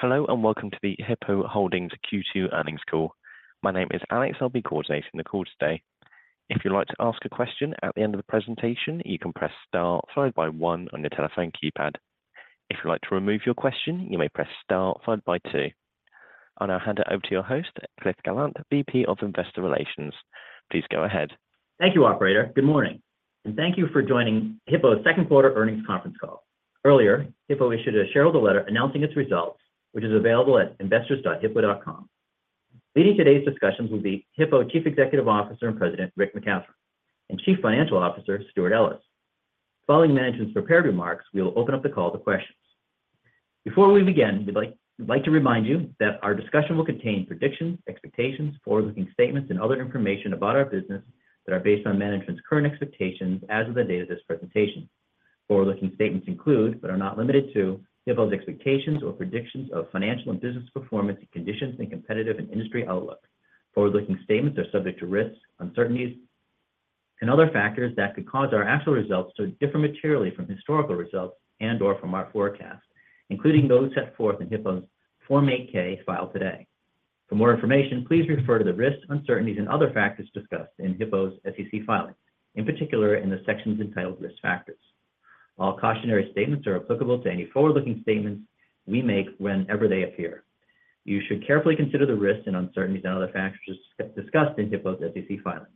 Hello. Welcome to the Hippo Holdings Q2 earnings call. My name is Alex. I'll be coordinating the call today. If you'd like to ask a question at the end of the presentation, you can press Star followed by 1 on your telephone keypad. If you'd like to remove your question, you may press Star followed by two. I'll now hand it over to your host, Cliff Gallant, VP of Investor Relations. Please go ahead. Thank you, operator. Good morning, and thank you for joining Hippo's second quarter earnings conference call. Earlier, Hippo issued a shareholder letter announcing its results, which is available at investors.hippo.com. Leading today's discussions will be Hippo Chief Executive Officer and President, Rick McCathron, and Chief Financial Officer, Stewart Ellis. Following management's prepared remarks, we will open up the call to questions. Before we begin, we'd like to remind you that our discussion will contain predictions, expectations, forward-looking statements, and other information about our business that are based on management's current expectations as of the date of this presentation. Forward-looking statements include, but are not limited to, Hippo's expectations or predictions of financial and business performance and conditions and competitive and industry outlook. Forward-looking statements are subject to risks, uncertainties, and other factors that could cause our actual results to differ materially from historical results and/or from our forecast, including those set forth in Hippo's Form 8-K filed today. For more information, please refer to the risks, uncertainties, and other factors discussed in Hippo's SEC filings, in particular in the sections entitled "Risk Factors." All cautionary statements are applicable to any forward-looking statements we make whenever they appear. You should carefully consider the risks and uncertainties and other factors discussed in Hippo's SEC filings.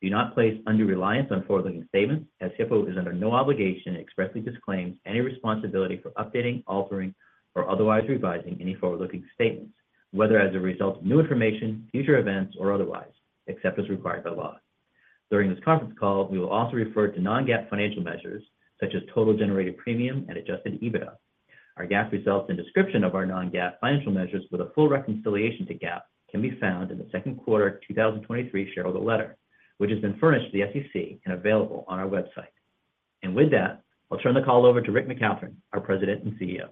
Do not place undue reliance on forward-looking statements as Hippo is under no obligation and expressly disclaims any responsibility for updating, altering, or otherwise revising any forward-looking statements, whether as a result of new information, future events, or otherwise, except as required by law. During this conference call, we will also refer to Non-GAAP financial measures, such as total generated premium and adjusted EBITDA. Our GAAP results and description of our Non-GAAP financial measures with a full reconciliation to GAAP can be found in the second quarter of 2023 shareholder letter, which has been furnished to the SEC and available on our website. With that, I'll turn the call over to Rick McCathron, our President and CEO.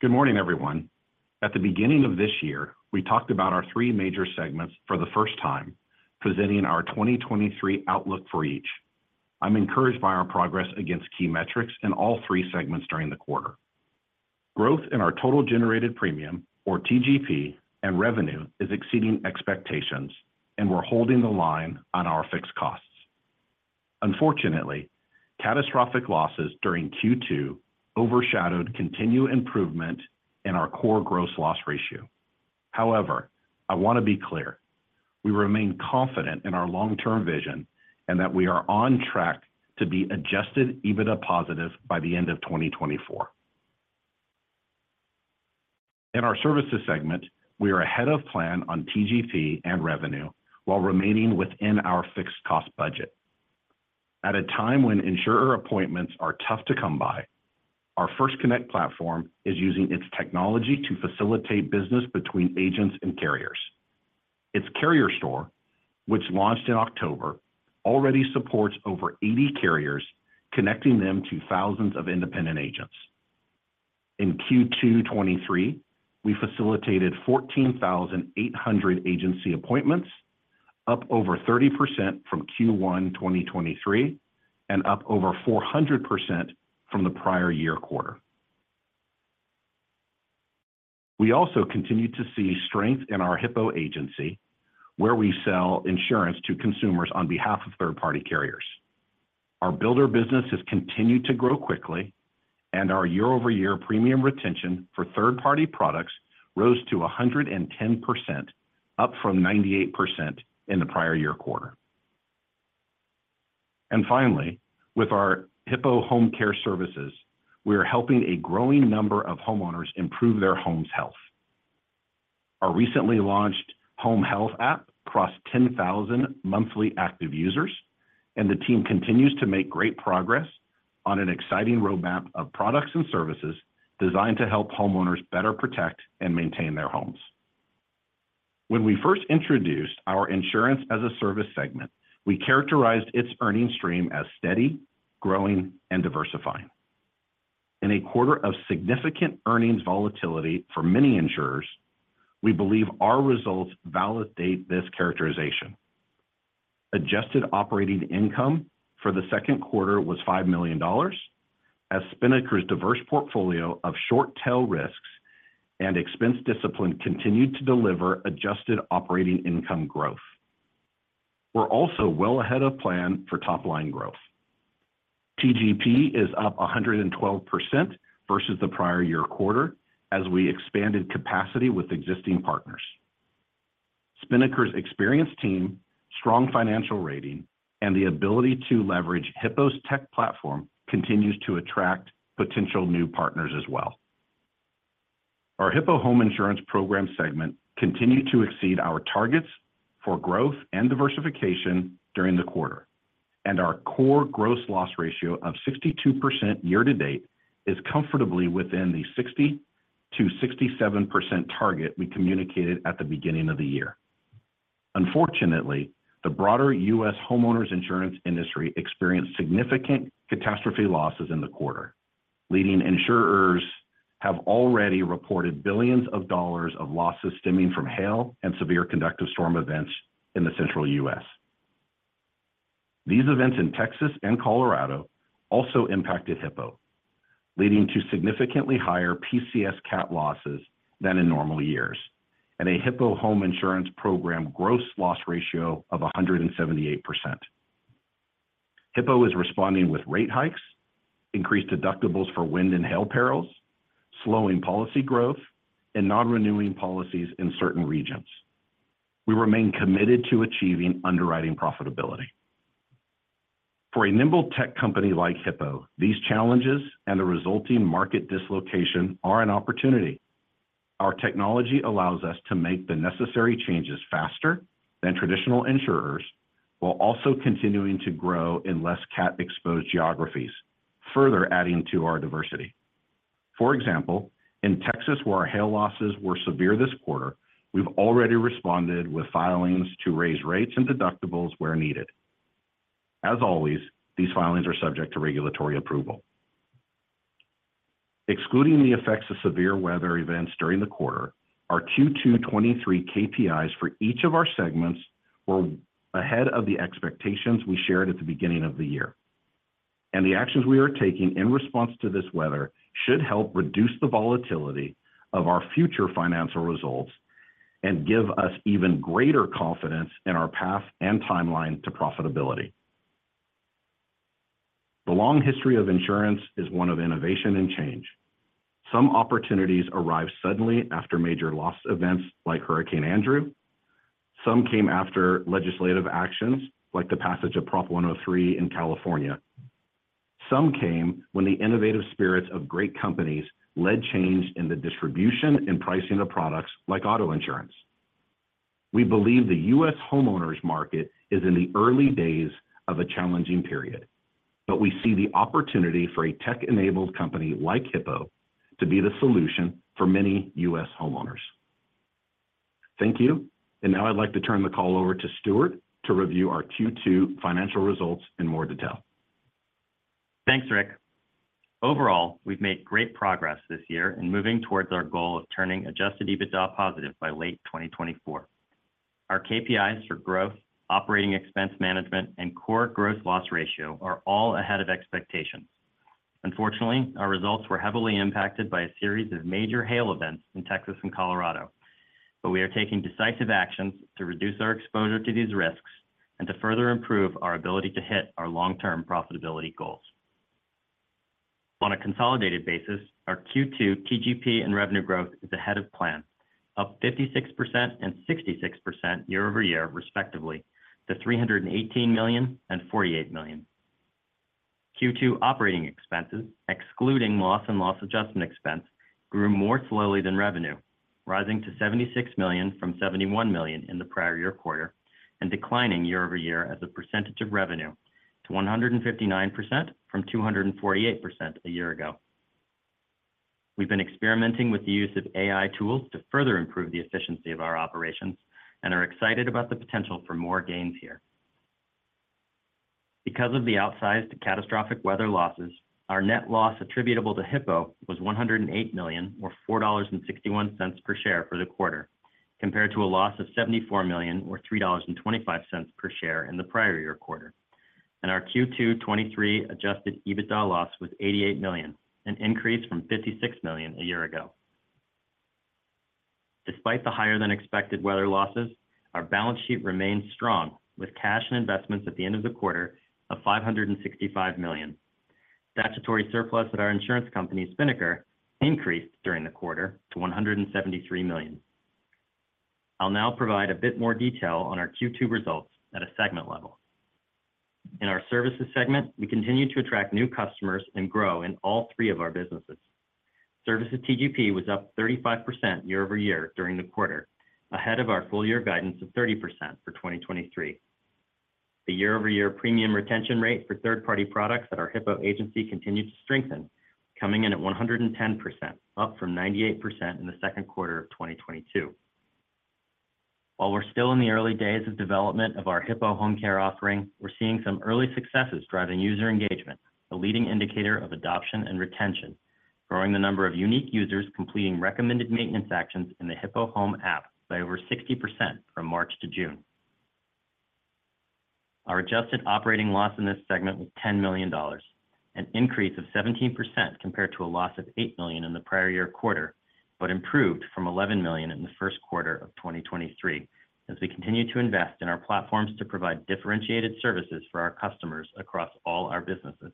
Good morning, everyone. At the beginning of this year, we talked about our three major segments for the first time, presenting our 2023 outlook for each. I'm encouraged by our progress against key metrics in all three segments during the quarter. Growth in our total generated premium, or TGP, and revenue is exceeding expectations, and we're holding the line on our fixed costs. Unfortunately, catastrophic losses during Q2 overshadowed continued improvement in our core gross loss ratio. However, I want to be clear, we remain confident in our long-term vision and that we are on track to be adjusted EBITDA positive by the end of 2024. In our services segment, we are ahead of plan on TGP and revenue while remaining within our fixed cost budget. At a time when insurer appointments are tough to come by, our First Connect platform is using its technology to facilitate business between agents and carriers. Its Carrier Store, which launched in October, already supports over 80 carriers, connecting them to thousands of independent agents. In Q2 2023, we facilitated 14,800 agency appointments, up over 30% from Q1 2023 and up over 400% from the prior year quarter. We also continued to see strength in our Hippo Agency, where we sell insurance to consumers on behalf of third-party carriers. Our builder business has continued to grow quickly, our year-over-year premium retention for third-party products rose to 110%, up from 98% in the prior year quarter. Finally, with our Hippo Home Care Services, we are helping a growing number of homeowners improve their home's health. Our recently launched Home Health app crossed 10,000 monthly active users, and the team continues to make great progress on an exciting roadmap of products and services designed to help homeowners better protect and maintain their homes. When we first introduced our Insurance-as-a-Service segment, we characterized its earnings stream as steady, growing, and diversifying. In a quarter of significant earnings volatility for many insurers, we believe our results validate this characterization. Adjusted operating income for the second quarter was $5 million, as Spinnaker's diverse portfolio of short-tail risks and expense discipline continued to deliver adjusted operating income growth. We're also well ahead of plan for top-line growth. TGP is up 112% versus the prior year quarter as we expanded capacity with existing partners. Spinnaker's experienced team, strong financial rating, and the ability to leverage Hippo's tech platform continues to attract potential new partners as well. Our Hippo Home Insurance Program segment continued to exceed our targets for growth and diversification during the quarter, and our core gross loss ratio of 62% year to date is comfortably within the 60%-67% target we communicated at the beginning of the year. Unfortunately, the broader U.S. homeowners insurance industry experienced significant catastrophe losses in the quarter. Leading insurers have already reported $ billions of losses stemming from hail and severe convective storm events in the central U.S. These events in Texas and Colorado also impacted Hippo, leading to significantly higher PCS cat losses than in normal years, and a Hippo Home Insurance Program gross loss ratio of 178%. Hippo is responding with rate hikes, increased deductibles for wind and hail perils, slowing policy growth, and non-renewing policies in certain regions. We remain committed to achieving underwriting profitability. For a nimble tech company like Hippo, these challenges and the resulting market dislocation are an opportunity. Our technology allows us to make the necessary changes faster than traditional insurers, while also continuing to grow in less cat-exposed geographies, further adding to our diversity. For example, in Texas, where our hail losses were severe this quarter, we've already responded with filings to raise rates and deductibles where needed. As always, these filings are subject to regulatory approval. Excluding the effects of severe weather events during the quarter, our Q2 2023 KPIs for each of our segments were ahead of the expectations we shared at the beginning of the year. The actions we are taking in response to this weather should help reduce the volatility of our future financial results and give us even greater confidence in our path and timeline to profitability. The long history of insurance is one of innovation and change. Some opportunities arrived suddenly after major loss events like Hurricane Andrew. Some came after legislative actions, like the passage of Prop 103 in California. Some came when the innovative spirits of great companies led change in the distribution and pricing of products like auto insurance. We believe the U.S. homeowners market is in the early days of a challenging period, but we see the opportunity for a tech-enabled company like Hippo to be the solution for many U.S. homeowners. Thank you. Now I'd like to turn the call over to Stewart to review our Q2 financial results in more detail. Thanks, Rick. Overall, we've made great progress this year in moving towards our goal of turning adjusted EBITDA positive by late 2024. Our KPIs for growth, operating expense management, and core gross loss ratio are all ahead of expectations. Unfortunately, our results were heavily impacted by a series of major hail events in Texas and Colorado. We are taking decisive actions to reduce our exposure to these risks and to further improve our ability to hit our long-term profitability goals. On a consolidated basis, our Q2 TGP and revenue growth is ahead of plan, up 56% and 66% year-over-year, respectively, to $318 million and $48 million. Q2 operating expenses, excluding loss and loss adjustment expense, grew more slowly than revenue, rising to $76 million from $71 million in the prior year quarter, and declining year-over-year as a percentage of revenue to 159% from 248% a year ago. We've been experimenting with the use of AI tools to further improve the efficiency of our operations, and are excited about the potential for more gains here. Because of the outsized catastrophic weather losses, our net loss attributable to Hippo was $108 million, or $4.61 per share for the quarter, compared to a loss of $74 million, or $3.25 per share in the prior year quarter. Our Q2 2023 adjusted EBITDA loss was $88 million, an increase from $56 million a year ago. Despite the higher-than-expected weather losses, our balance sheet remains strong, with cash and investments at the end of the quarter of $565 million. Statutory surplus at our insurance company, Spinnaker, increased during the quarter to $173 million. I'll now provide a bit more detail on our Q2 results at a segment level. In our services segment, we continue to attract new customers and grow in all three of our businesses. Services TGP was up 35% year-over-year during the quarter, ahead of our full year guidance of 30% for 2023. The year-over-year premium retention rate for third-party products at our Hippo Agency continued to strengthen, coming in at 110%, up from 98% in the second quarter of 2022. While we're still in the early days of development of our Hippo Home Care offering, we're seeing some early successes driving user engagement, a leading indicator of adoption and retention, growing the number of unique users completing recommended maintenance actions in the Hippo Home app by over 60% from March to June. Our adjusted operating loss in this segment was $10 million, an increase of 17% compared to a loss of $8 million in the prior year quarter, but improved from $11 million in the first quarter of 2023, as we continue to invest in our platforms to provide differentiated services for our customers across all our businesses.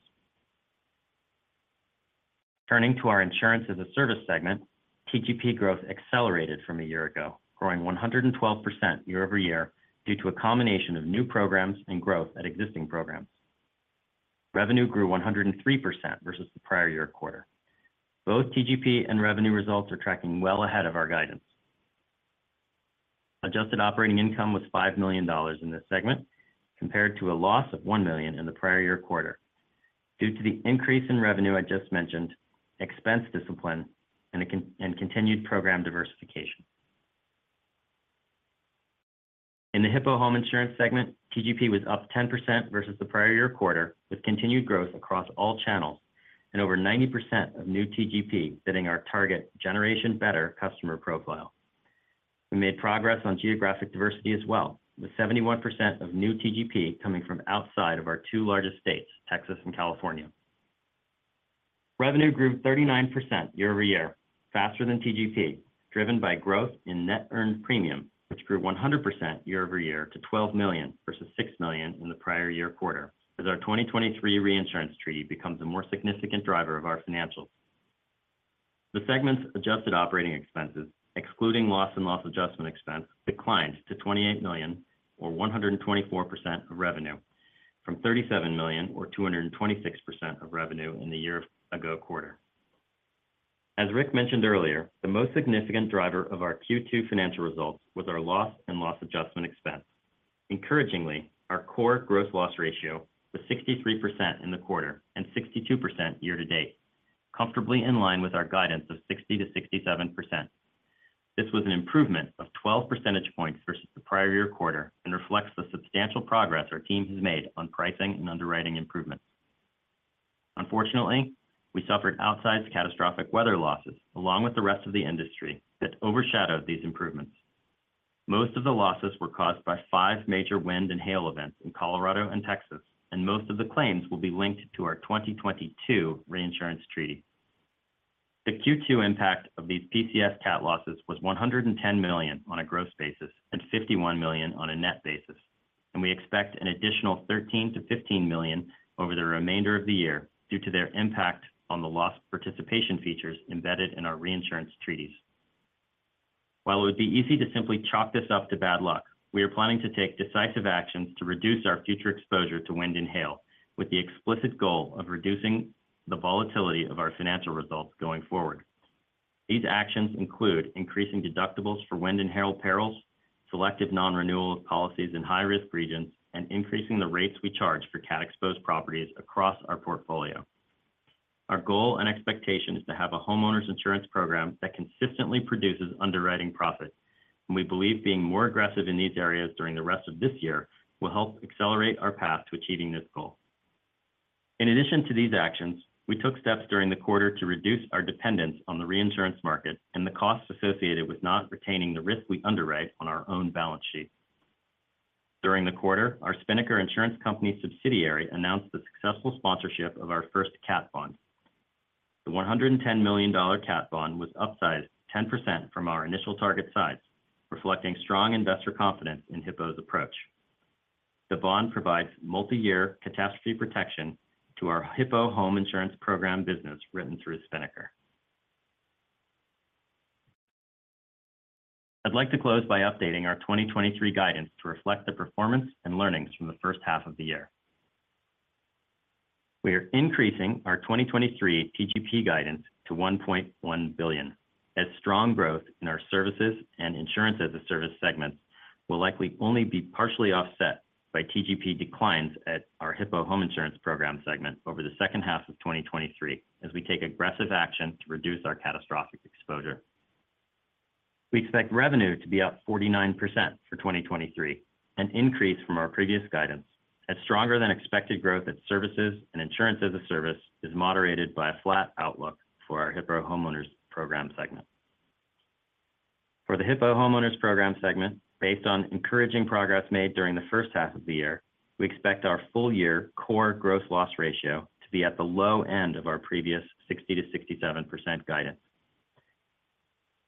Turning to our Insurance-as-a-Service segment, TGP growth accelerated from a year ago, growing 112% year-over-year due to a combination of new programs and growth at existing programs. Revenue grew 103% versus the prior-year quarter. Both TGP and revenue results are tracking well ahead of our guidance. Adjusted operating income was $5 million in this segment, compared to a loss of $1 million in the prior-year quarter. Due to the increase in revenue I just mentioned, expense discipline and continued program diversification. In the Hippo Home Insurance segment, TGP was up 10% versus the prior-year quarter, with continued growth across all channels and over 90% of new TGP fitting our target Generation Better customer profile. We made progress on geographic diversity as well, with 71% of new TGP coming from outside of our two largest states, Texas and California. Revenue grew 39% year-over-year, faster than TGP, driven by growth in net earned premium, which grew 100% year-over-year to $12 million, versus $6 million in the prior year quarter, as our 2023 reinsurance treaty becomes a more significant driver of our financials. The segment's adjusted operating expenses, excluding loss and loss adjustment expense, declined to $28 million or 124% of revenue, from $37 million, or 226% of revenue in the year ago quarter. As Rick mentioned earlier, the most significant driver of our Q2 financial results was our loss and loss adjustment expense. Encouragingly, our core gross loss ratio was 63% in the quarter and 62% year to date, comfortably in line with our guidance of 60%-67%. This was an improvement of 12 percentage points versus the prior year quarter and reflects the substantial progress our team has made on pricing and underwriting improvements. Unfortunately, we suffered outsized catastrophic weather losses, along with the rest of the industry, that overshadowed these improvements. Most of the losses were caused by five major wind and hail events in Colorado and Texas, and most of the claims will be linked to our 2022 reinsurance treaty. The Q2 impact of these PCS cat losses was $110 million on a gross basis and $51 million on a net basis, and we expect an additional $13 million-$15 million over the remainder of the year due to their impact on the loss participation features embedded in our reinsurance treaties. While it would be easy to simply chalk this up to bad luck, we are planning to take decisive actions to reduce our future exposure to wind and hail, with the explicit goal of reducing the volatility of our financial results going forward. These actions include increasing deductibles for wind and hail perils, selective nonrenewal of policies in high-risk regions, and increasing the rates we charge for cat-exposed properties across our portfolio. Our goal and expectation is to have a homeowners insurance program that consistently produces underwriting profits, and we believe being more aggressive in these areas during the rest of this year will help accelerate our path to achieving this goal. In addition to these actions, we took steps during the quarter to reduce our dependence on the reinsurance market and the costs associated with not retaining the risk we underwrite on our own balance sheet. During the quarter, our Spinnaker Insurance Company subsidiary announced the successful sponsorship of our first cat bond. The $110 million cat bond was upsized 10% from our initial target size, reflecting strong investor confidence in Hippo's approach. The bond provides multiyear catastrophe protection to our Hippo Home Insurance Program business, written through Spinnaker. I'd like to close by updating our 2023 guidance to reflect the performance and learnings from the first half of the year. We are increasing our 2023 TGP guidance to $1.1 billion, as strong growth in our services and Insurance-as-a-Service segments will likely only be partially offset by TGP declines at our Hippo Home Insurance Program segment over the second half of 2023, as we take aggressive action to reduce our catastrophic exposure. We expect revenue to be up 49% for 2023, an increase from our previous guidance, as stronger than expected growth at services and Insurance-as-a-Service is moderated by a flat outlook for our Hippo Home Insurance Program segment. For the Hippo Home Insurance Program segment, based on encouraging progress made during the first half of the year, we expect our full year core gross loss ratio to be at the low end of our previous 60%-67% guidance.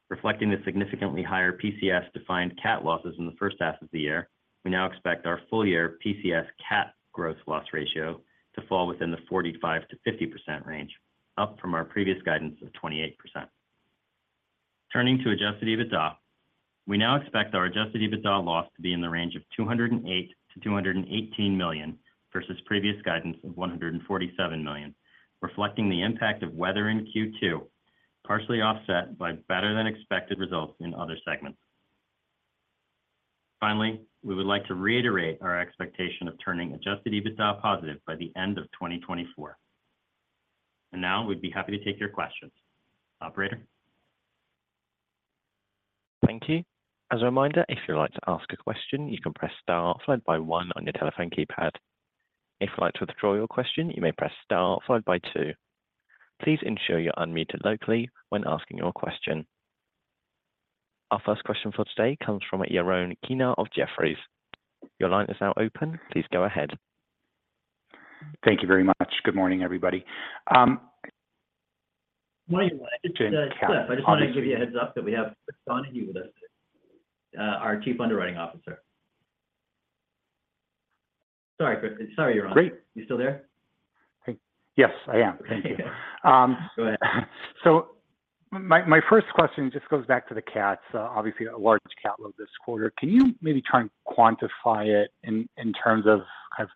Reflecting the significantly higher PCS-defined cat losses in the first half of the year, we now expect our full year PCS cat gross loss ratio to fall within the 45%-50% range, up from our previous guidance of 28%. Turning to adjusted EBITDA, we now expect our adjusted EBITDA loss to be in the range of $208 million-$218 million, versus previous guidance of $147 million, reflecting the impact of weather in Q2, partially offset by better than expected results in other segments. Finally, we would like to reiterate our expectation of turning adjusted EBITDA positive by the end of 2024. Now, we'd be happy to take your questions. Operator? Thank you. As a reminder, if you'd like to ask a question, you can press star followed by one on your telephone keypad. If you'd like to withdraw your question, you may press star followed by two. Please ensure you're unmuted locally when asking your question. Our first question for today comes from Yaron Kinar of Jefferies. Your line is now open. Please go ahead. Thank you very much. Good morning, everybody. I just want to give you a heads up that we have Donahue with us, our Chief Underwriting Officer. Sorry, Chris. Sorry, Yaron. Great. You still there? Yes, I am. Thank you. Go ahead. My first question just goes back to the cats. Obviously, a large cat load this quarter. Can you maybe try and quantify it in terms of kind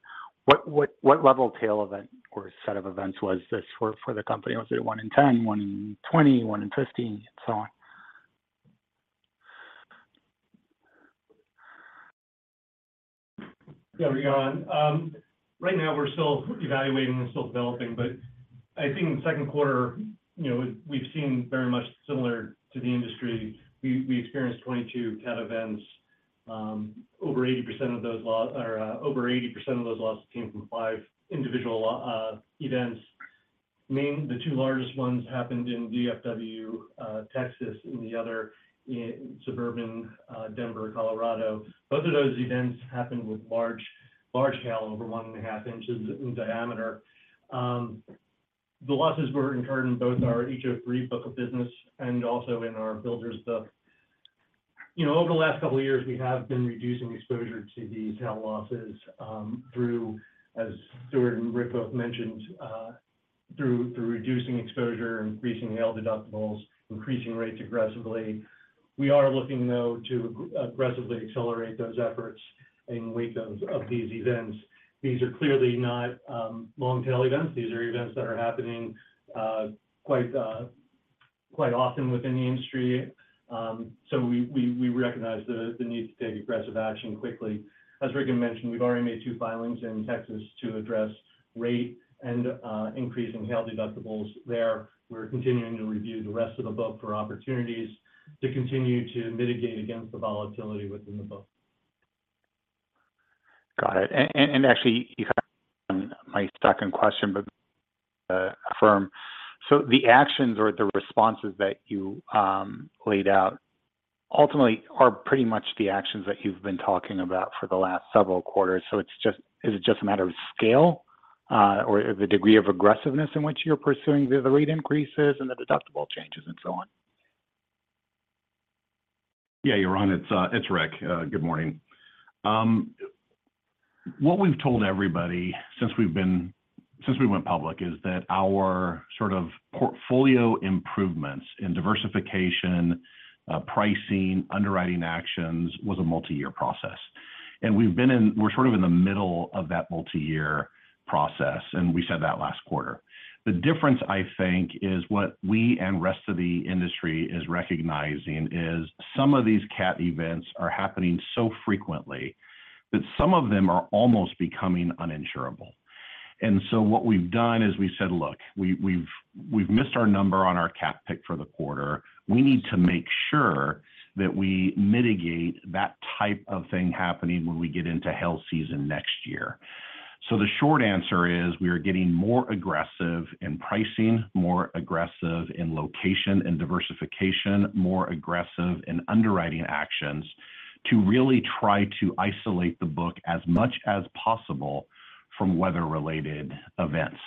of what level tail event or set of events was this for, for the company? Was it one in 10, one in 20, one in 15, and so on? Yeah, Yaron. Right now we're still evaluating and still developing, but I think in the second quarter, you know, we've seen very much similar to the industry. We experienced 22 cat events. Over 80% of those losses came from five individual events. The two largest ones happened in DFW, Texas, and the other in suburban, Denver, Colorado. Both of those events happened with large, large hail, over 1.5 inches in diameter. The losses were incurred in both our HO3 book of business and also in the builders book. You know, over the last couple of years, we have been reducing exposure to these hail losses, through, as Stewart and Rick both mentioned, through reducing exposure, increasing hail deductibles, increasing rates aggressively. We are looking, though, to aggressively accelerate those efforts in light of these events. These are clearly not long-tail events. These are events that are happening, quite often within the industry. We recognize the need to take aggressive action quickly. As Rick had mentioned, we've already made two filings in Texas to address rate and increase in hail deductibles there. We're continuing to review the rest of the book for opportunities to continue to mitigate against the volatility within the book. Got it. Actually, you covered my second question, but, affirm. The actions or the responses that you laid out ultimately are pretty much the actions that you've been talking about for the last several quarters. Is it just a matter of scale, or the degree of aggressiveness in which you're pursuing the rate increases and the deductible changes and so on? Yeah, Yaron, it's Rick. Good morning. What we've told everybody since we went public is that our sort of portfolio improvements in diversification, pricing, underwriting actions, was a multi-year process. We're sort of in the middle of that multi-year process, and we said that last quarter. The difference, I think, is what we and the rest of the industry is recognizing is some of these cat events are happening so frequently that some of them are almost becoming uninsurable. What we've done is we said: Look, we, we've, we've missed our number on our cat pick for the quarter. We need to make sure that we mitigate that type of thing happening when we get into hail season next year. The short answer is, we are getting more aggressive in pricing, more aggressive in location and diversification, more aggressive in underwriting actions, to really try to isolate the book as much as possible from weather-related events.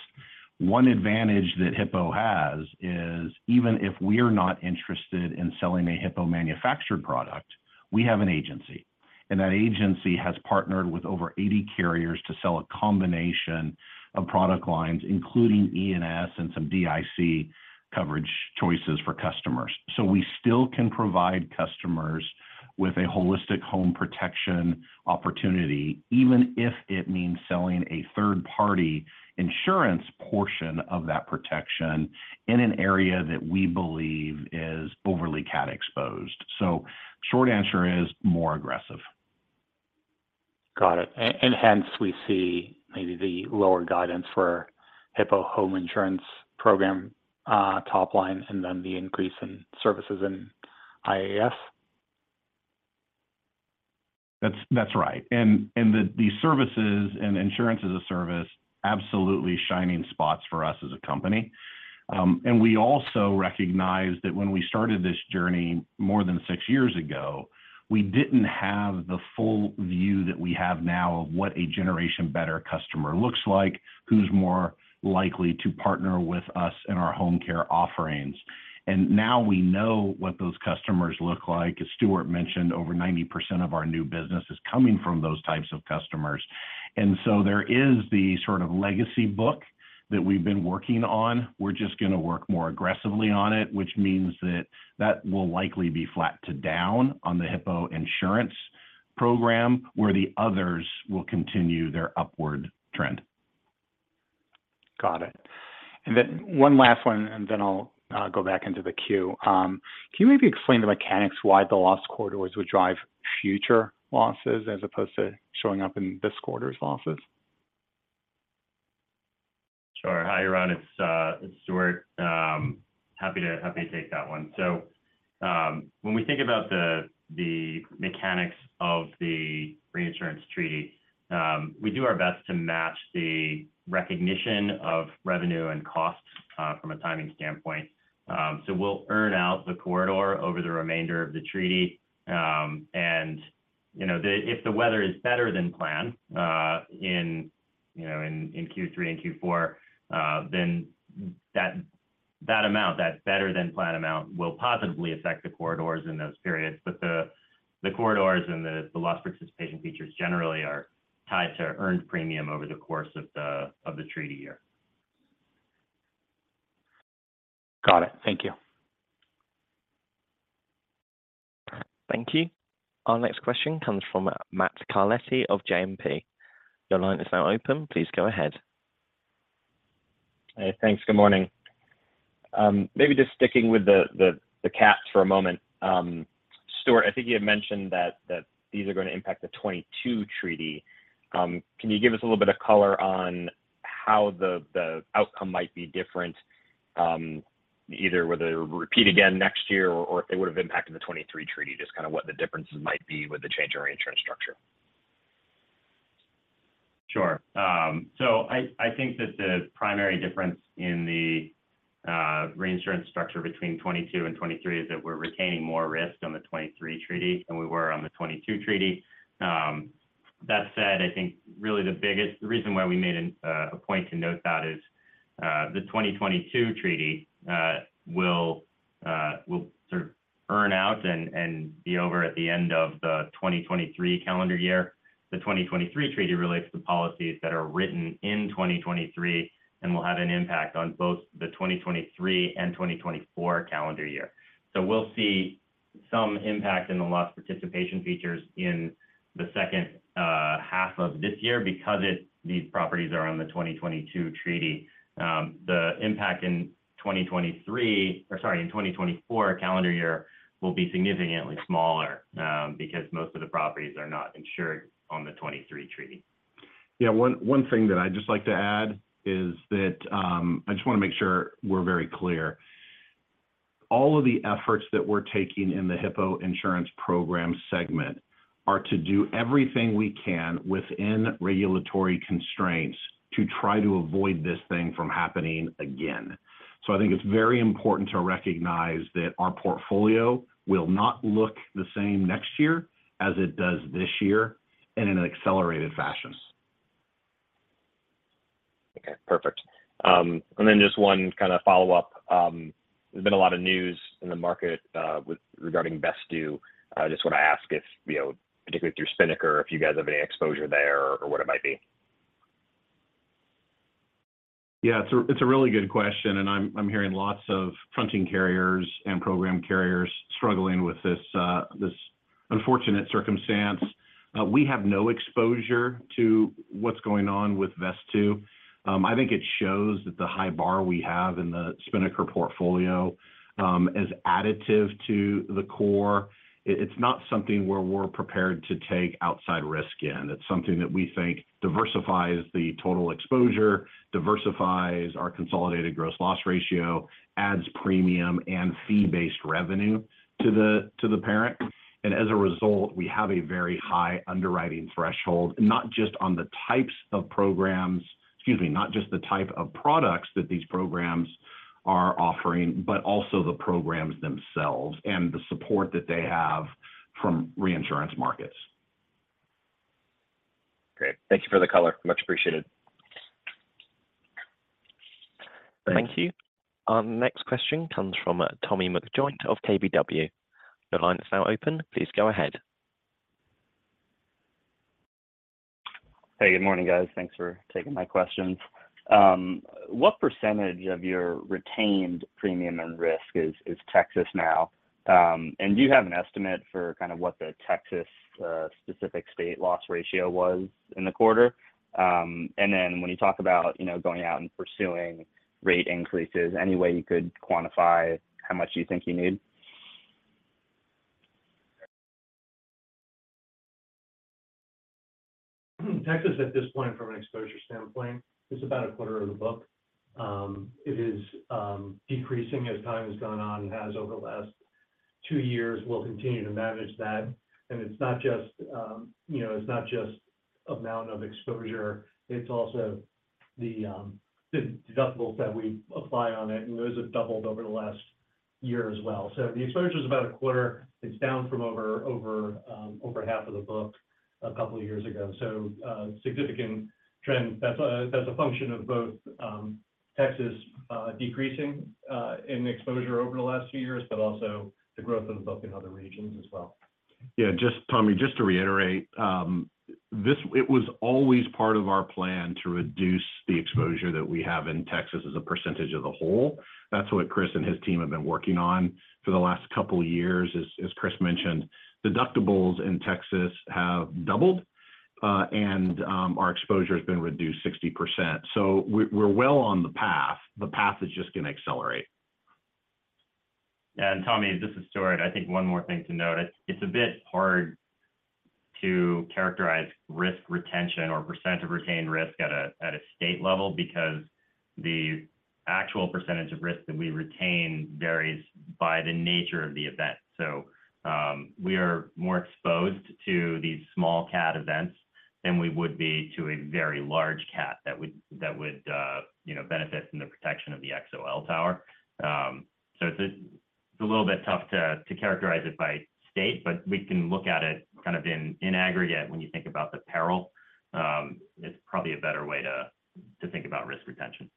One advantage that Hippo has is, even if we are not interested in selling a Hippo-manufactured product, we have an agency, and that agency has partnered with over 80 carriers to sell a combination of product lines, including E&S and some DIC coverage choices for customers. We still can provide customers with a holistic home protection opportunity, even if it means selling a third-party insurance portion of that protection in an area that we believe is overly cat exposed. Short answer is more aggressive. Got it. Hence we see maybe the lower guidance for Hippo Home Insurance Program top line, and then the increase in services in Insurance-as-a-Service? That's right. The services and Insurance-as-a-Service, absolutely shining spots for us as a company. We also recognize that when we started this journey more than six years ago, we didn't have the full view that we have now of what a Generation Better customer looks like, who's more likely to partner with us in our home care offerings. Now we know what those customers look like. As Stewart mentioned, over 90% of our new business is coming from those types of customers. There is the sort of legacy book that we've been working on. We're just going to work more aggressively on it, which means that that will likely be flat to down on the Hippo insurance program, where the others will continue their upward trend. Got it. One last one, and then I'll go back into the queue. Can you maybe explain the mechanics why the loss corridors would drive future losses as opposed to showing up in this quarter's losses? Sure. Hi, Yaron, it's Stewart. Happy to, happy to take that one. When we think about the, the mechanics of the reinsurance treaty, we do our best to match the recognition of revenue and costs, from a timing standpoint. We'll earn out the corridor over the remainder of the treaty. You know, if the weather is better than planned in Q3 and Q4, then that, that amount, that better than planned amount, will positively affect the corridors in those periods. The corridors and the, the loss participation features generally are tied to earned premium over the course of the treaty year. Got it. Thank you. Thank you. Our next question comes from Matt Carletti of JMP. Your line is now open. Please go ahead. Hey, thanks. Good morning. Maybe just sticking with the, the, the cats for a moment. Stewart, I think you had mentioned that, that these are going to impact the 2022 treaty. Can you give us a little bit of color on how the, the outcome might be different, either whether it would repeat again next year or if it would have impacted the 2023 treaty, just kind of what the differences might be with the change in reinsurance structure? Sure. I think that the primary difference in the reinsurance structure between 2022 and 2023 is that we're retaining more risk on the 2023 treaty than we were on the 2022 treaty. That said, I think really the biggest reason why we made a point to note that is the 2022 treaty will sort of earn out and be over at the end of the 2023 calendar year. The 2023 treaty relates to the policies that are written in 2023 and will have an impact on both the 2023 and 2024 calendar year. We'll see some impact in the loss participation features in the second half of this year because these properties are on the 2022 treaty. The impact in 2023, or sorry, in 2024 calendar year will be significantly smaller, because most of the properties are not insured on the 2023 treaty. Yeah, one thing that I'd just like to add is that, I just want to make sure we're very clear. All of the efforts that we're taking in the Hippo insurance program segment are to do everything we can within regulatory constraints to try to avoid this thing from happening again. I think it's very important to recognize that our portfolio will not look the same next year as it does this year, and in an accelerated fashion. Okay, perfect. Just one kind of follow-up. There's been a lot of news in the market with regarding Vesttoo. I just want to ask if, you know, particularly through Spinnaker, if you guys have any exposure there or what it might be? Yeah, it's a really good question, and I'm hearing lots of fronting carriers and program carriers struggling with this, this unfortunate circumstance. We have no exposure to what's going on with Vesttoo. I think it shows that the high bar we have in the Spinnaker portfolio is additive to the core. It, it's not something where we're prepared to take outside risk in. It's something that we think diversifies the total exposure, diversifies our consolidated gross loss ratio, adds premium and fee-based revenue to the parent. As a result, we have a very high underwriting threshold, not just on the types of programs, excuse me, not just the type of products that these programs are offering, but also the programs themselves and the support that they have from reinsurance markets. Great. Thank you for the color. Much appreciated. Thank you. Thank you. Our next question comes from Tommy McJoynt of KBW. Your line is now open. Please go ahead. Hey, good morning, guys. Thanks for taking my questions. What % of your retained premium and risk is, is Texas now? Do you have an estimate for kind of what the Texas specific state loss ratio was in the quarter? Then when you talk about, you know, going out and pursuing rate increases, any way you could quantify how much you think you need? Texas, at this point, from an exposure standpoint, is about a quarter of the book. It is decreasing as time has gone on and has over the last two years. We'll continue to manage that. It's not just, you know, it's not just amount of exposure, it's also the deductibles that we apply on it, and those have doubled over the last year as well. The exposure is about a quarter. It's down from over, over half of the book a couple of years ago. Significant trend. That's a, that's a function of both Texas decreasing in exposure over the last few years, but also the growth of the book in other regions as well. Yeah, just Tommy, just to reiterate. It was always part of our plan to reduce the exposure that we have in Texas as a percentage of the whole. That's what Chris and his team have been working on for the last couple of years. As Chris mentioned, deductibles in Texas have doubled, and our exposure has been reduced 60%. We're well on the path. The path is just going to accelerate. Tommy, this is Stewart. I think one more thing to note, it's a bit hard to characterize risk retention or % of retained risk at a state level because the actual % of risk that we retain varies by the nature of the event. We are more exposed to these small cat events than we would be to a very large cat that would, that would, you know, benefit from the protection of the XOL tower. It's a little bit tough to characterize it by state, but we can look at it kind of in aggregate when you think about the peril, it's probably a better way to think about risk retention.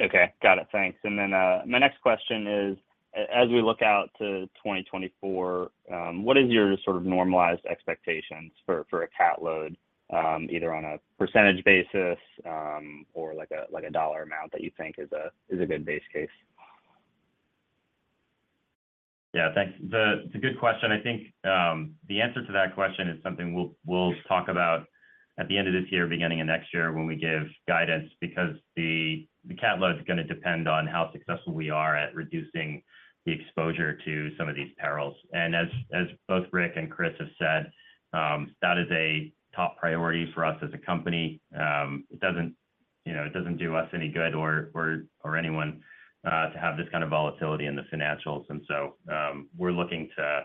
Okay, got it. Thanks. Then, my next question is, as we look out to 2024, what is your sort of normalized expectations for, for a cat load, either on a percentage basis, or like a, like a dollar amount that you think is a, is a good base case? Yeah, thanks. It's a good question. I think the answer to that question is something we'll, we'll talk about at the end of this year, beginning of next year, when we give guidance, because the cat load is going to depend on how successful we are at reducing the exposure to some of these perils. As, as both Rick and Chris have said, that is a top priority for us as a company. You know, it doesn't do us any good or anyone to have this kind of volatility in the financials. So, we're looking to,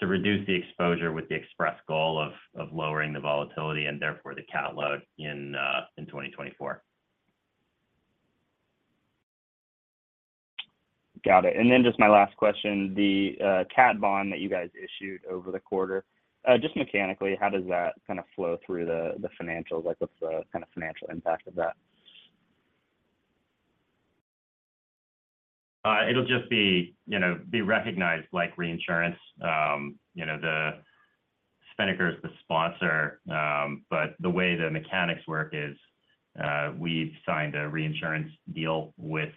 to reduce the exposure with the express goal of, of lowering the volatility and therefore the cat load in 2024. Got it. Then just my last question, the cat bond that you guys issued over the quarter, just mechanically, how does that kind of flow through the financials? Like, what's the kind of financial impact of that? It'll just be, you know, recognized like reinsurance. You know, Spinnaker is the sponsor, but the way the mechanics work is, we've signed a reinsurance deal with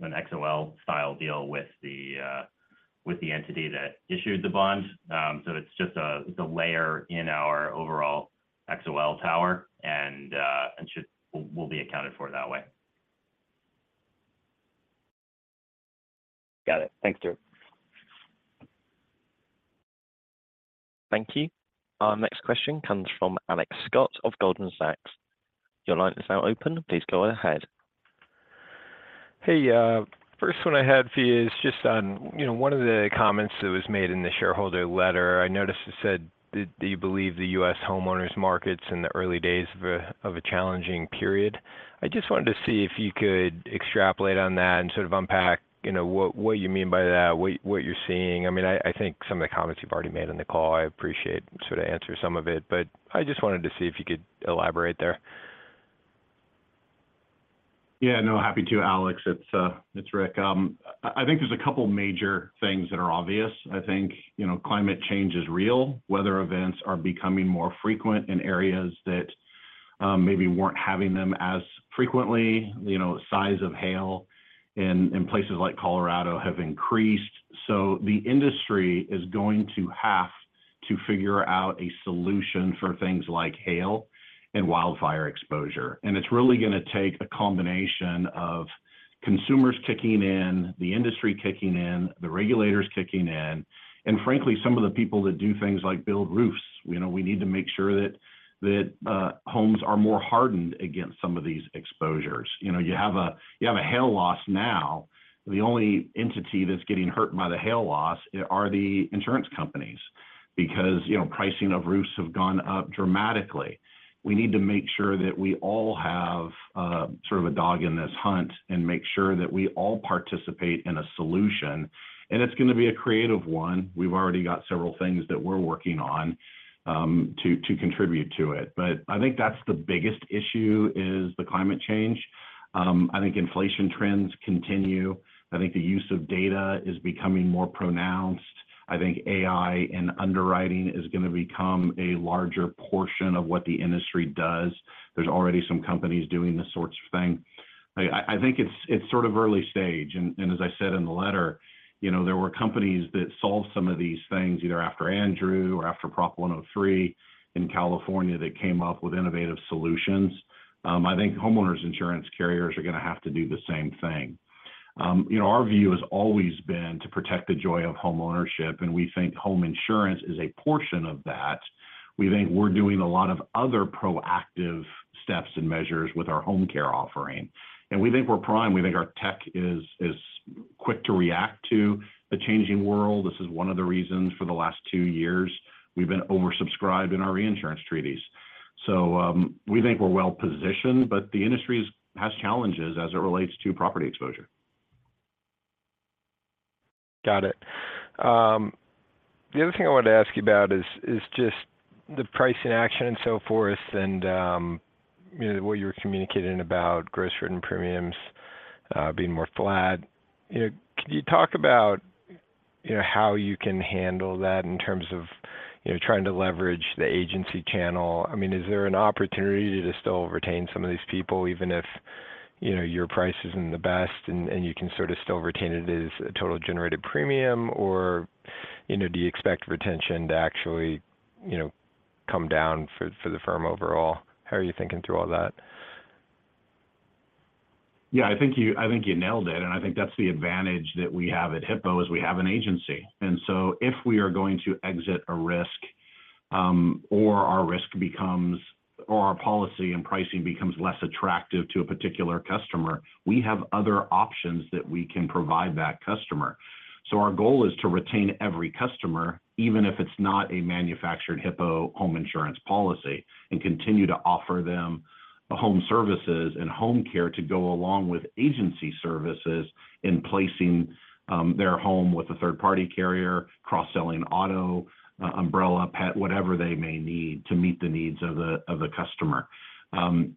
an XOL style deal with the entity that issued the bond. It's just a layer in our overall XOL tower and should-- will, will be accounted for that way. Got it. Thank you, Drew. Thank you. Our next question comes from Alex Scott of Goldman Sachs. Your line is now open. Please go ahead. Hey, first one I had for you is just on, you know, one of the comments that was made in the shareholder letter. I noticed it said that you believe the U.S. homeowners markets in the early days of a challenging period. I just wanted to see if you could extrapolate on that and sort of unpack, you know, what you mean by that, what you're seeing. I mean, I think some of the comments you've already made on the call, I appreciate, sort of answer some of it, but I just wanted to see if you could elaborate there. Yeah. No, happy to, Alex. It's, it's Rick. I think there's a couple major things that are obvious. I think, you know, climate change is real. Weather events are becoming more frequent in areas that, maybe weren't having them as frequently. You know, size of hail in, in places like Colorado have increased. The industry is going to have to figure out a solution for things like hail and wildfire exposure. It's really going to take a combination of consumers kicking in, the industry kicking in, the regulators kicking in, and frankly, some of the people that do things like build roofs. You know, we need to make sure that homes are more hardened against some of these exposures. You know, you have a hail loss now, the only entity that's getting hurt by the hail loss are the insurance companies, because, you know, pricing of roofs have gone up dramatically. We need to make sure that we all have sort of a dog in this hunt and make sure that we all participate in a solution. It's going to be a creative one. We've already got several things that we're working on to contribute to it. I think that's the biggest issue, is the climate change. I think inflation trends continue. I think the use of data is becoming more pronounced. I think AI in underwriting is going to become a larger portion of what the industry does. There's already some companies doing this sorts of thing. I, I think it's, it's sort of early stage and, and as I said in the letter, you know, there were companies that solved some of these things either after Andrew or after Prop 103 in California, that came up with innovative solutions. I think homeowners insurance carriers are going to have to do the same thing. You know, our view has always been to protect the joy of homeownership, and we think home insurance is a portion of that. We think we're doing a lot of other proactive steps and measures with our home care offering, and we think we're prime. We think our tech is, is quick to react to a changing world. This is one of the reasons for the last 2 years we've been oversubscribed in our reinsurance treaties. We think we're well positioned, but the industry has challenges as it relates to property exposure. Got it. The other thing I wanted to ask you about is, is just the pricing action and so forth, and, you know, what you were communicating about gross written premiums being more flat. You know, could you talk about, you know, how you can handle that in terms of, you know, trying to leverage the agency channel? I mean, is there an opportunity to still retain some of these people, even if, you know, your price isn't the best and, and you can sort of still retain it as a total generated premium? You know, do you expect retention to actually, you know, come down for, for the firm overall? How are you thinking through all that? Yeah, I think you, I think you nailed it, and I think that's the advantage that we have at Hippo, is we have an agency. If we are going to exit a risk, or our risk becomes, or our policy and pricing becomes less attractive to a particular customer, we have other options that we can provide that customer. Our goal is to retain every customer, even if it's not a manufactured Hippo home insurance policy, and continue to offer them the home services and home care to go along with agency services in placing their home with a third-party carrier, cross-selling auto, umbrella, pet, whatever they may need to meet the needs of the, of the customer.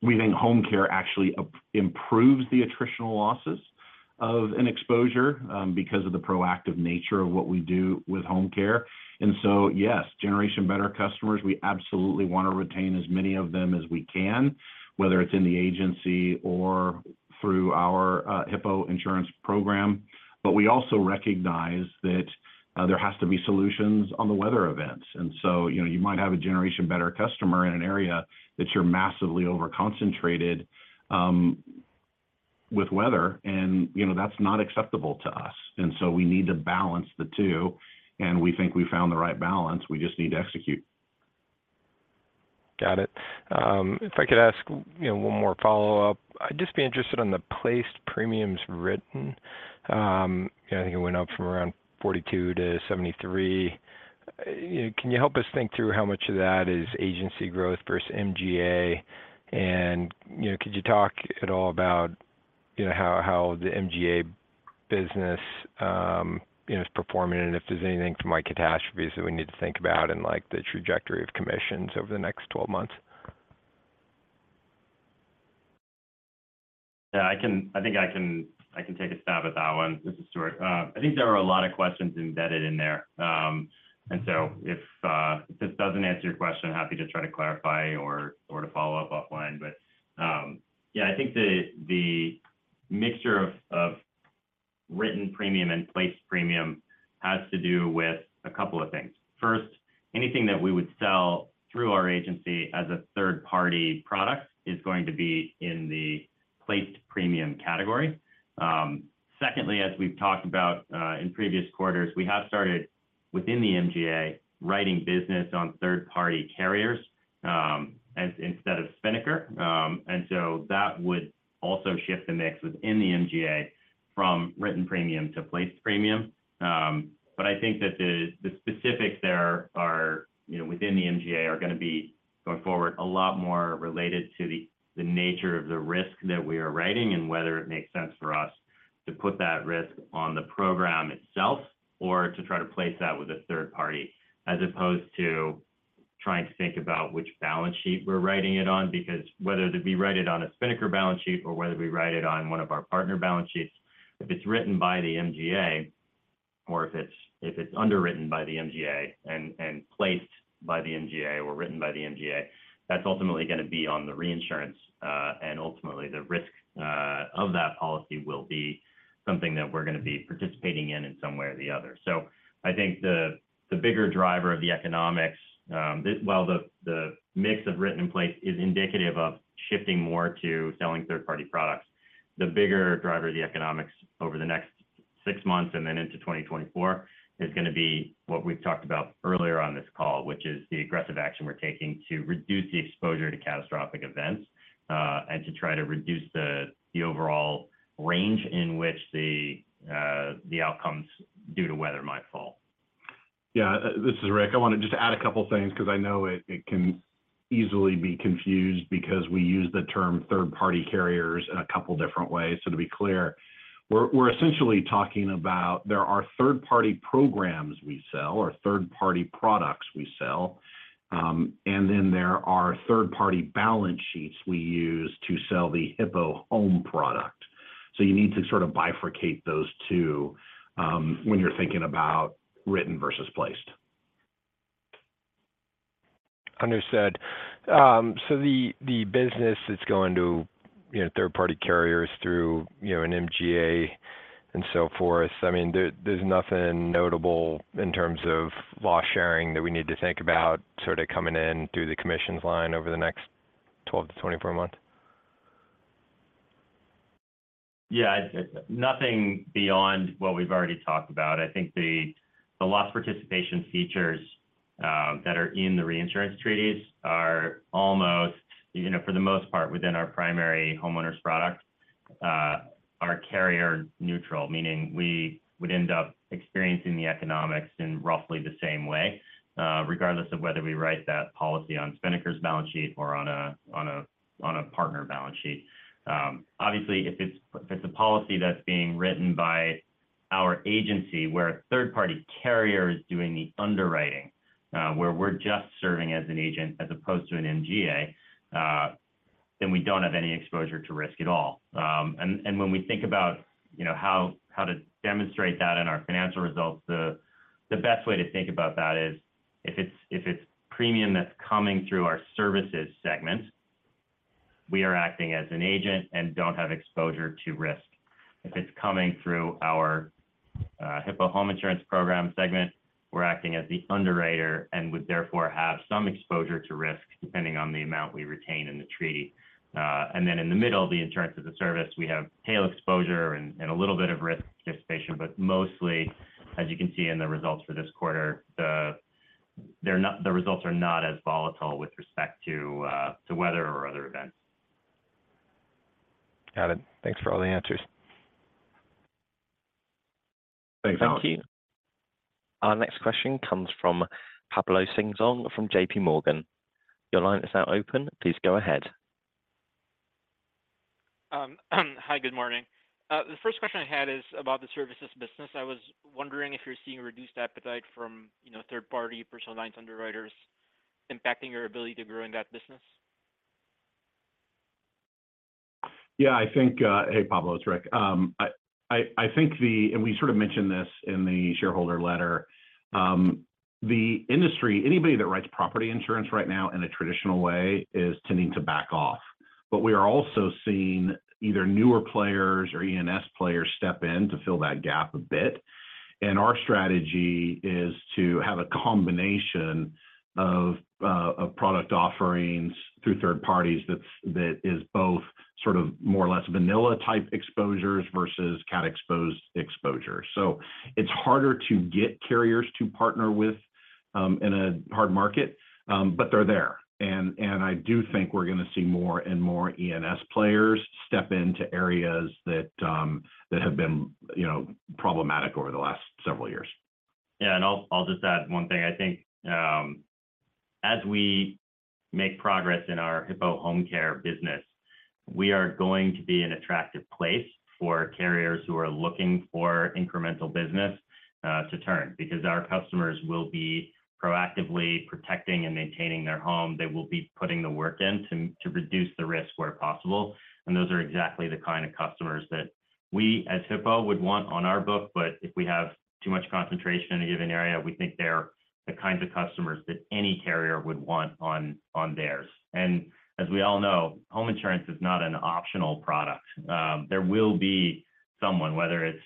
We think home care actually improves the attritional losses of an exposure, because of the proactive nature of what we do with home care. And so, yes, Generation Better customers, we absolutely want to retain as many of them as we can, whether it's in the agency or through our Hippo insurance program. But we also recognize that there has to be solutions on the weather events. And so, you know, you might have a Generation Better customer in an area that you're massively over-concentrated with weather, and, you know, that's not acceptable to us. And so we need to balance the two, and we think we found the right balance. We just need to execute. Got it. If I could ask, you know, one more follow-up. I'd just be interested on the placed premiums written. I think it went up from around 42-73. You know, can you help us think through how much of that is agency growth versus MGA? And, you know, could you talk at all about, you know, how, how the MGA business, you know, is performing? And if there's anything to my catastrophes that we need to think about and, like, the trajectory of commissions over the next 12 months? Yeah, I think I can, I can take a stab at that one. This is Stewart. I think there are a lot of questions embedded in there. If this doesn't answer your question, happy to try to clarify or, or to follow up offline. Yeah, I think the mixture of, of written premium and placed premium has to do with a couple of things. First, anything that we would sell through our agency as a third-party product is going to be in the placed premium category. Secondly, as we've talked about in previous quarters, we have started within the MGA, writing business on third-party carriers, as instead of Spinnaker. That would also shift the mix within the MGA from written premium to placed premium. I think that the, the specifics there are, you know, within the MGA are gonna be, going forward, a lot more related to the, the nature of the risk that we are writing and whether it makes sense for us to put that risk on the program itself or to try to place that with a third party, as opposed to trying to think about which balance sheet we're writing it on. Because whether to be write it on a Spinnaker balance sheet or whether we write it on one of our partner balance sheets, if it's written by the MGA, or if it's, if it's underwritten by the MGA and, and placed by the MGA or written by the MGA, that's ultimately gonna be on the reinsurance. Ultimately, the risk of that policy will be something that we're gonna be participating in in some way or the other. I think the bigger driver of the economics, well, the mix of written in place is indicative of shifting more to selling third-party products. The bigger driver of the economics over the next six months and then into 2024 is gonna be what we've talked about earlier on this call, which is the aggressive action we're taking to reduce the exposure to catastrophic events, and to try to reduce the overall range in which the outcomes due to weather might fall. Yeah, this is Rick. I want to just add a couple of things because I know it, it can easily be confused because we use the term third-party carriers in a couple different ways. To be clear, we're, we're essentially talking about there are third-party programs we sell or third-party products we sell, and then there are third-party balance sheets we use to sell the Hippo Home product. You need to sort of bifurcate those 2 when you're thinking about written versus placed. Understood. The, the business that's going to, you know, third-party carriers through, you know, an MGA and so forth, I mean, there, there's nothing notable in terms of loss sharing that we need to think about sort of coming in through the commissions line over the next 12- to -24-months? Yeah, nothing beyond what we've already talked about. I think the, the loss participation features that are in the reinsurance treaties are almost, you know, for the most part, within our primary homeowners product, are carrier neutral. Meaning we would end up experiencing the economics in roughly the same way, regardless of whether we write that policy on Spinnaker's balance sheet or on a partner balance sheet. Obviously, if it's a policy that's being written by our agency, where a third-party carrier is doing the underwriting, where we're just serving as an agent as opposed to an MGA, then we don't have any exposure to risk at all. When we think about, you know, how, how to demonstrate that in our financial results, the, the best way to think about that is if it's premium that's coming through our services segment, we are acting as an agent and don't have exposure to risk. If it's coming through our Hippo Home Insurance Program segment, we're acting as the underwriter and would therefore have some exposure to risk, depending on the amount we retain in the treaty. Then in the middle of the Insurance-as-a-Service, we have tail exposure and, and a little bit of risk participation, but mostly, as you can see in the results for this quarter, the results are not as volatile with respect to to weather or other events. Got it. Thanks for all the answers. Thank you. Thank you. Our next question comes from Pablo Singzon from JPMorgan. Your line is now open. Please go ahead. Hi, good morning. The first question I had is about the services business. I was wondering if you're seeing reduced appetite from, you know, third-party personal lines underwriters impacting your ability to grow in that business? Yeah, I think, Hey, Pablo, it's Rick. We sort of mentioned this in the shareholder letter. The industry, anybody that writes property insurance right now in a traditional way, is tending to back off. We are also seeing either newer players or E&S players step in to fill that gap a bit. Our strategy is to have a combination of a product offerings through third parties that's, that is both sort of more or less vanilla type exposures versus cat-exposed exposure. It's harder to get carriers to partner with, in a hard market, but they're there. I do think we're gonna see more and more E&S players step into areas that, that have been, you know, problematic over the last several years. Yeah, I'll just add one thing. I think, as we make progress in our Hippo Home Care business, we are going to be an attractive place for carriers who are looking for incremental business, to turn, because our customers will be proactively protecting and maintaining their home. They will be putting the work in to reduce the risk where possible, and those are exactly the kind of customers that we, as Hippo, would want on our book. If we have too much concentration in a given area, we think they're the kinds of customers that any carrier would want on, on theirs. As we all know, home insurance is not an optional product. There will be someone, whether it's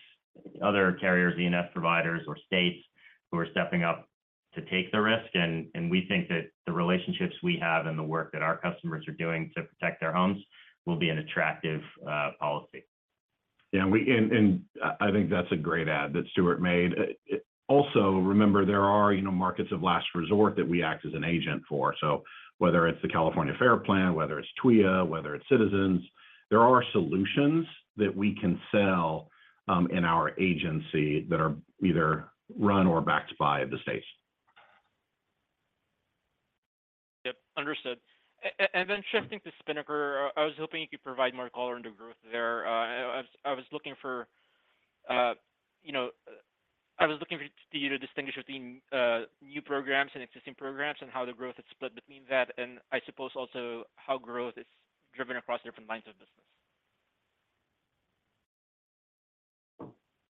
other carriers, E&S providers, or states, who are stepping up to take the risk. We think that the relationships we have and the work that our customers are doing to protect their homes will be an attractive policy. Yeah, I think that's a great add that Stewart made. Also, remember there are, you know, markets of last resort that we act as an agent for. Whether it's the California FAIR Plan, whether it's TWIA, whether it's Citizens, there are solutions that we can sell in our agency that are either run or backed by the states. Yep, understood. Then shifting to Spinnaker, I was hoping you could provide more color into growth there. I was looking for, you know, I was looking for you to distinguish between new programs and existing programs and how the growth is split between that, and I suppose also how growth is driven across different lines of business?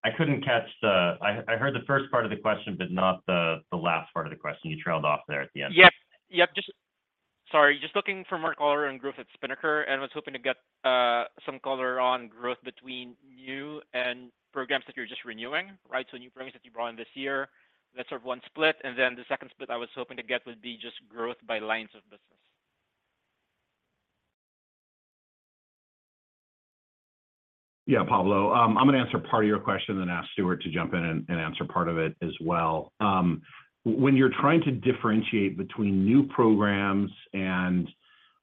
I couldn't catch. I heard the first part of the question, but not the, the last part of the question. You trailed off there at the end. Yep, yep. Just Sorry, just looking for more color on growth at Spinnaker, and was hoping to get some color on growth between you and programs that you're just renewing, right? New programs that you brought in this year, that's sort of one split, and then the second split I was hoping to get would be just growth by lines of business. Yeah, Pablo, I'm gonna answer part of your question, then ask Stewart to jump in and, and answer part of it as well. When you're trying to differentiate between new programs and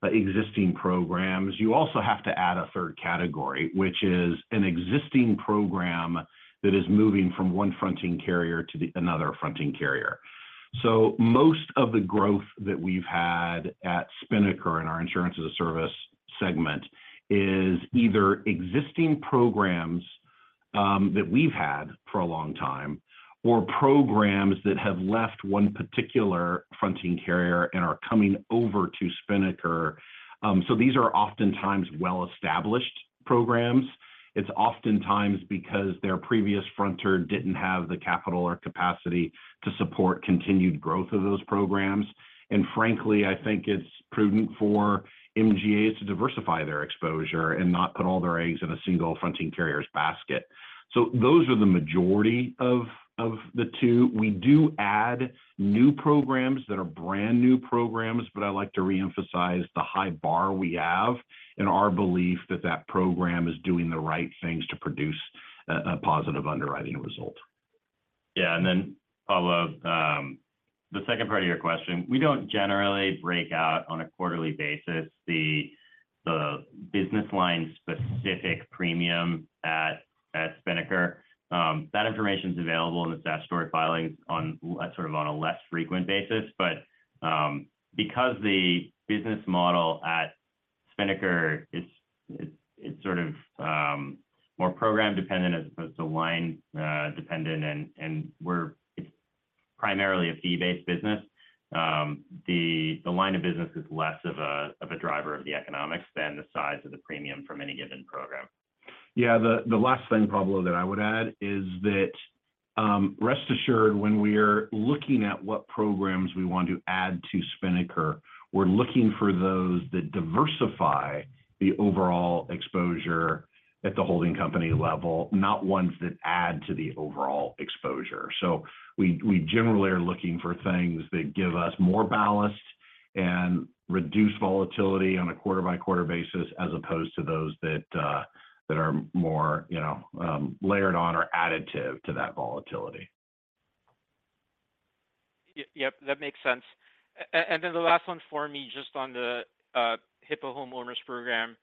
existing programs, you also have to add a third category, which is an existing program that is moving from one fronting carrier to the another fronting carrier. Most of the growth that we've had at Spinnaker in our Insurance-as-a-Service segment is either existing programs, that we've had for a long time, or programs that have left one particular fronting carrier and are coming over to Spinnaker. These are oftentimes well-established programs. It's oftentimes because their previous fronter didn't have the capital or capacity to support continued growth of those programs. Frankly, I think it's prudent for MGAs to diversify their exposure and not put all their eggs in a single fronting carrier's basket. Those are the majority of the two. We do add new programs that are brand-new programs, I'd like to reemphasize the high bar we have in our belief that that program is doing the right things to produce a positive underwriting result. Yeah, and then, Pablo, the second part of your question, we don't generally break out on a quarterly basis, the, the business line specific premium at, at Spinnaker. That information is available in the statutory filings on, sort of on a less frequent basis. Because the business model at Spinnaker, it's sort of more program-dependent as opposed to line dependent, it's primarily a fee-based business, the line of business is less of a driver of the economics than the size of the premium from any given program. Yeah, the last thing, Pablo, that I would add is that, rest assured, when we're looking at what programs we want to add to Spinnaker, we're looking for those that diversify the overall exposure at the holding company level, not ones that add to the overall exposure. We, we generally are looking for things that give us more balance and reduce volatility on a quarter-by-quarter basis, as opposed to those that, that are more, you know, layered on or additive to that volatility. Yep, that makes sense. Then the last one for me, just on the Hippo Homeowners Program.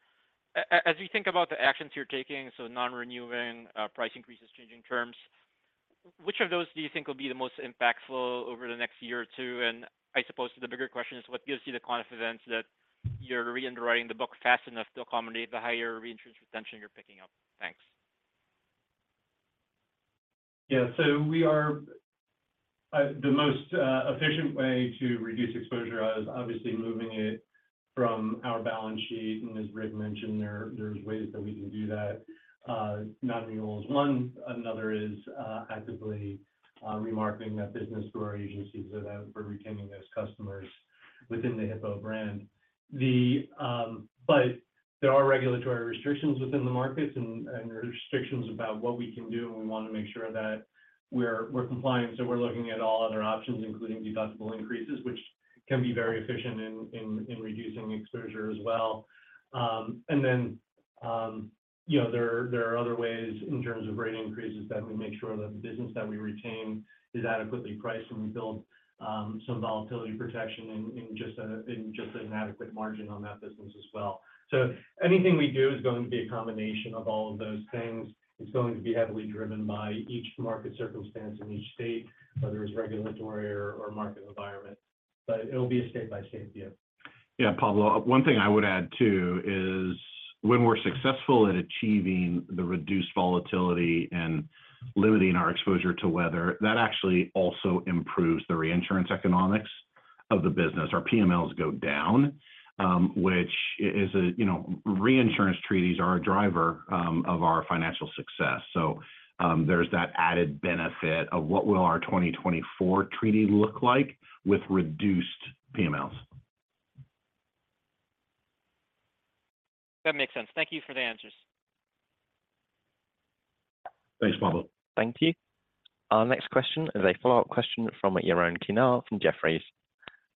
As we think about the actions you're taking, so non-renewing, price increases, changing terms, which of those do you think will be the most impactful over the next year or two? I suppose the bigger question is: What gives you the confidence that you're re-underwriting the book fast enough to accommodate the higher reinsurance retention you're picking up? Thanks. Yeah. We are, the most efficient way to reduce exposure is obviously moving it from our balance sheet. As Rick mentioned, there's ways that we can do that. Non-renewal is one, another is, actively-... remarketing that business to our agencies that have, we're retaining those customers within the Hippo brand. There are regulatory restrictions within the markets and there are restrictions about what we can do, and we want to make sure that we're, we're compliant. We're looking at all other options, including deductible increases, which can be very efficient in reducing exposure as well. Then, you know, there are other ways in terms of rate increases that we make sure that the business that we retain is adequately priced, and we build, some volatility protection in just an adequate margin on that business as well. Anything we do is going to be a combination of all of those things. It's going to be heavily driven by each market circumstance in each state, whether it's regulatory or market environment, but it'll be a state by state view. Yeah, Pablo, one thing I would add, too, is when we're successful at achieving the reduced volatility and limiting our exposure to weather, that actually also improves the reinsurance economics of the business. Our PMLs go down, which is a. You know, reinsurance treaties are a driver of our financial success, so there's that added benefit of what will our 2024 treaty look like with reduced PMLs? That makes sense. Thank you for the answers. Thanks, Pablo Singzon. Thank you. Our next question is a follow-up question from Yaron Kinar from Jefferies.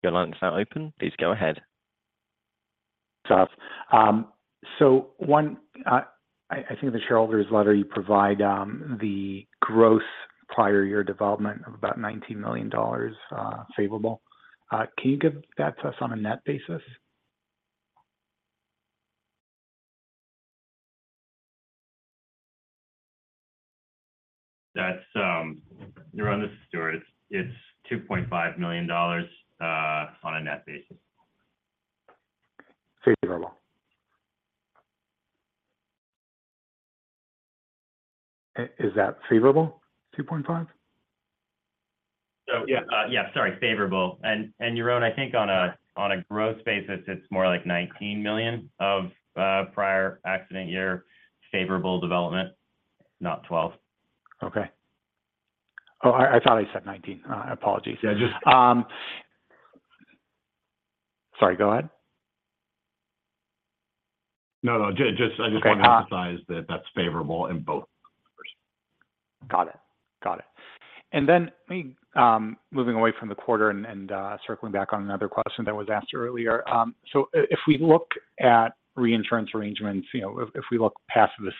Your line is now open. Please go ahead. Thanks. One, I think in the shareholders' letter, you provide the growth prior year development of about $19 million, favorable. Can you give that to us on a net basis? That's, Yaron, this is Stewart. It's $2.5 million on a net basis. Favorable. Is that favorable, 2.5? Yeah, yeah, sorry, favorable. Yaron, I think on a, on a growth basis, it's more like $19 million of prior accident year favorable development, not $12. Okay. Oh, I thought I said 19. Apologies. Yeah, just... Sorry, go ahead. No, no, just. Okay. I just want to emphasize that that's favorable in both numbers. Got it. Moving away from the quarter and circling back on another question that was asked earlier. If we look at reinsurance arrangements, you know, if we look past the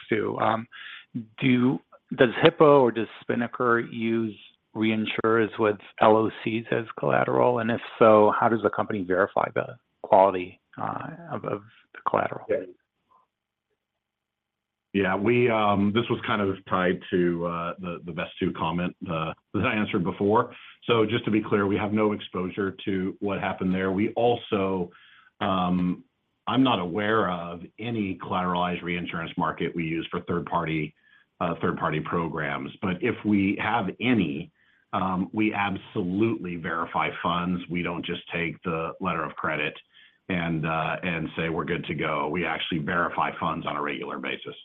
SCS, does Hippo or does Spinnaker use reinsurers with LOCs as collateral? If so, how does the company verify the quality of the collateral? Yeah, we. This was kind of tied to the Vesttoo comment that I answered before. Just to be clear, we have no exposure to what happened there. We also, I'm not aware of any collateralized reinsurance market we use for third party, third-party programs, but if we have any, we absolutely verify funds. We don't just take the letter of credit and say, "We're good to go." We actually verify funds on a regular basis.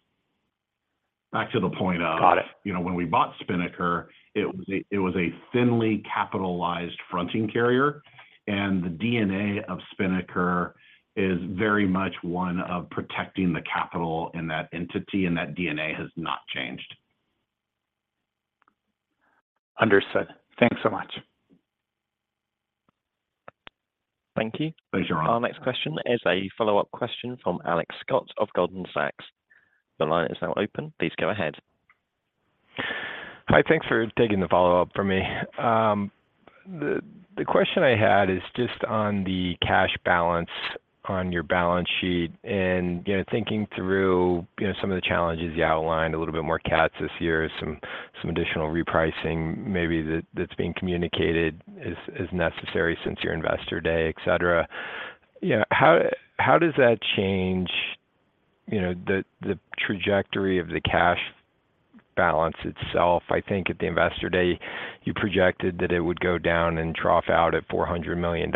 Back to the point of- Got it.... you know, when we bought Spinnaker, it was a thinly capitalized fronting carrier, and the DNA of Spinnaker is very much one of protecting the capital in that entity, and that DNA has not changed. Understood. Thanks so much. Thank you. Thanks, Yaron. Our next question is a follow-up question from Alex Scott of Goldman Sachs. The line is now open. Please go ahead. Hi, thanks for taking the follow-up for me. The question I had is just on the cash balance on your balance sheet and, you know, thinking through, you know, some of the challenges you outlined, a little bit more cats this year, some additional repricing maybe that's being communicated is necessary since your Investor Day, et cetera. Yeah, how does that change, you know, the trajectory of the cash balance itself? I think at the Investor Day, you projected that it would go down and trough out at $400 million.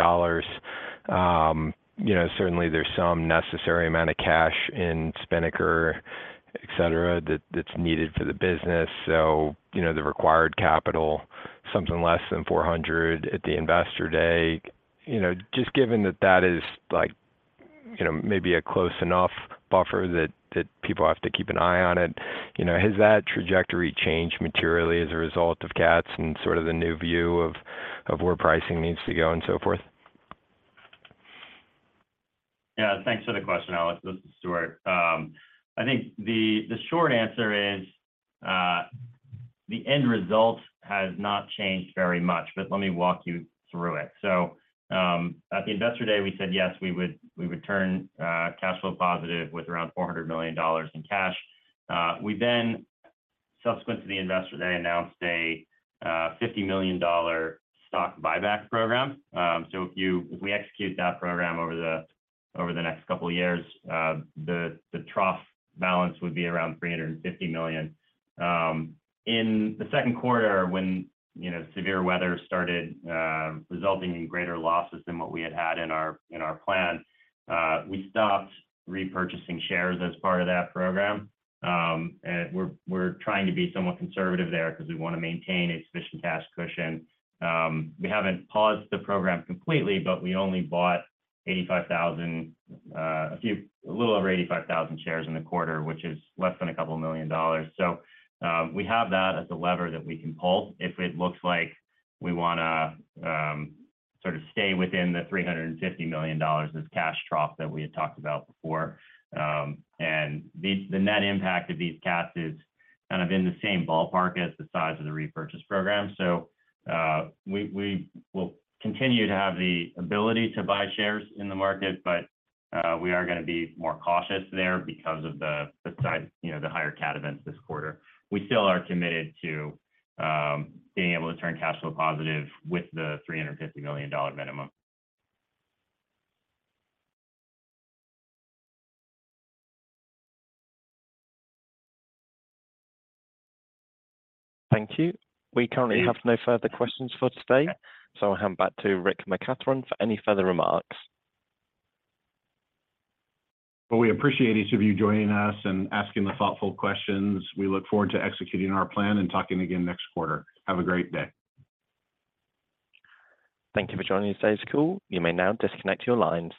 You know, certainly there's some necessary amount of cash in Spinnaker, et cetera, that's needed for the business. You know, the required capital, something less than 400 at the Investor Day. You know, just given that that is like, you know, maybe a close enough buffer that, that people have to keep an eye on it, you know, has that trajectory changed materially as a result of cats and sort of the new view of, of where pricing needs to go and so forth? Yeah, thanks for the question, Alex. This is Stewart. I think the, the short answer is, the end result has not changed very much, but let me walk you through it. At the Investor Day, we said, yes, we would, we would turn cash flow positive with around $400 million in cash. We then, subsequent to the Investor Day, announced a $50 million stock buyback program. If we execute that program over the, over the next couple of years, the, the trough balance would be around $350 million. In the second quarter, when, you know, severe weather started, resulting in greater losses than what we had had in our, in our plan, we stopped repurchasing shares as part of that program. We're, we're trying to be somewhat conservative there because we want to maintain a sufficient cash cushion. We haven't paused the program completely, but we only bought 85,000, a little over 85,000 shares in the quarter, which is less than $2 million. We have that as a lever that we can pull if it looks like we wanna stay within the $350 million, this cash trough that we had talked about before. The net impact of these cats is kind of in the same ballpark as the size of the repurchase program. We, we will continue to have the ability to buy shares in the market, but, we are going to be more cautious there because of the, the size, you know, the higher cat events this quarter. We still are committed to being able to turn cash flow positive with the $350 million minimum. Thank you. We currently have no further questions for today. I'll hand back to Rick McCathron for any further remarks. Well, we appreciate each of you joining us and asking the thoughtful questions. We look forward to executing our plan and talking again next quarter. Have a great day. Thank you for joining today's call. You may now disconnect your lines.